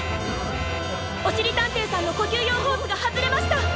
おしりたんていさんのこきゅうようホースがはずれました。